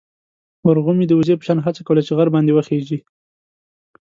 ورغومي د وزې په شان هڅه کوله چې غر باندې وخېژي.